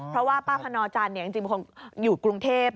เพราะว่าป้าพนอาจารย์จริงคงอยู่กรุงเทพฯ